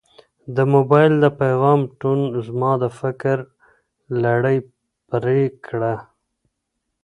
د موبایل د پیغام ټون زما د فکر لړۍ پرې کړه.